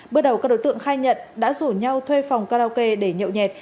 bước đầu các đối tượng khai nhận đã rủ nhau thuê phòng karaoke để nhậu nhẹt